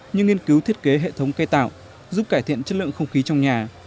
như nghiên cứu thiết kế hệ thống cây tạo giúp cải thiện chất lượng không khí trong nhà